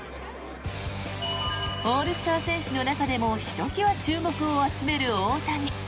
オールスター選手の中でもひときわ注目を集める大谷。